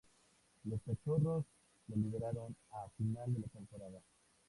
Los "Cachorros" lo liberaron a final de la temporada.